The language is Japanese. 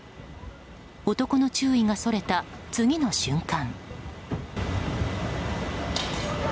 男の注意がそれた次の瞬間。